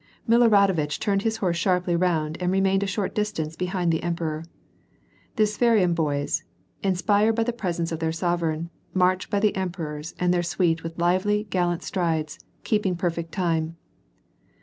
Miloradovitch turned his horse sharply round and remained a short distance behind the emperor. Thp Apsheron boys, in spirited by the presence of their sovereign, marched by the emperors and their suite with lively, gallant strides, keeping perfect time.